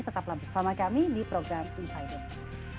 tetaplah bersama kami di program insiders